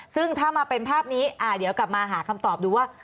ซึ่งถ้ามาเป็นภาพนี้เดี๋ยวกลับมาหาคำตอบดูว่า